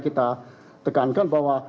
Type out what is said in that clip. kita tekankan bahwa